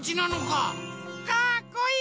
かっこいい！